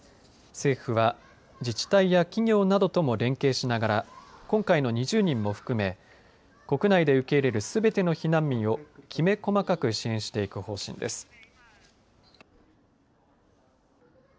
政府は、自治体や企業などとも連携しながら今回の２０人も含め国内で受け入れるすべての避難民をきめ細かく支援していく方針です。